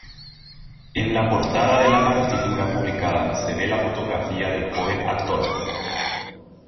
En la portada de la partitura publicada se ve la fotografía del joven actor.